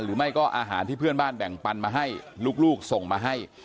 หรือไม่ก็อาหารที่เพื่อนบ้านแบ่งปันมาให้ลูกส่งมาให้